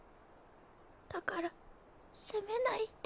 だから責めないで。